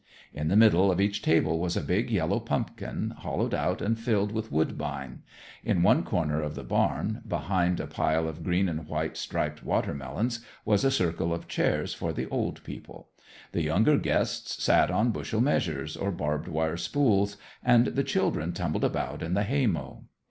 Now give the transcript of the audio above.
In the middle of each table was a big yellow pumpkin, hollowed out and filled with woodbine. In one corner of the barn, behind a pile of green and white striped watermelons, was a circle of chairs for the old people; the younger guests sat on bushel measures or barbed wire spools, and the children tumbled about in the haymow.